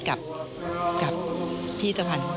กับพี่สะพานนี้